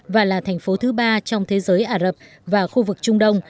và là thành phố thứ ba trong thế giới ả rập và khu vực trung đông